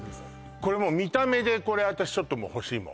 これもう見た目でこれ私ちょっともう欲しいもん